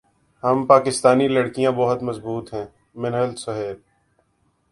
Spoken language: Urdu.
ہم پاکستانی لڑکیاں بہت مضبوط ہیں منہل سہیل